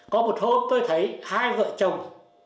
có một hôm tôi thấy hai vợ chồng